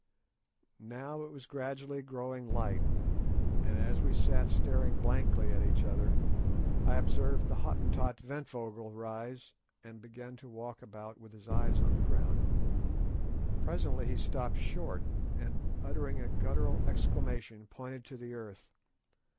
Now it was gradually growing light, and as we sat staring blankly at each other, I observed the Hottentot Ventvögel rise and begin to walk about with his eyes on the ground. Presently he stopped short, and uttering a guttural exclamation, pointed to the earth.